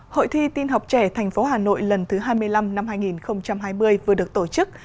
hội thi tin học trẻ thành phố hà nội lần thứ hai mươi năm năm hai nghìn hai mươi vừa được tổ chức